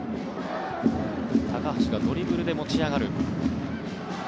高橋がドリブルで持ち上がる。